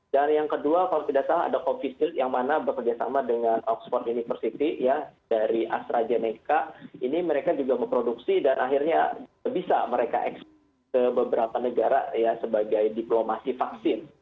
dan yang kedua kalau tidak salah ada covistil yang mana bekerjasama dengan oxford university ya dari astrazeneca ini mereka juga memproduksi dan akhirnya bisa mereka ekspor ke beberapa negara ya sebagai diplomasi vaksin gitu